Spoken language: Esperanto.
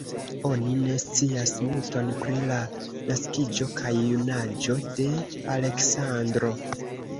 Oni ne scias multon pri la naskiĝo kaj junaĝo de Aleksandro.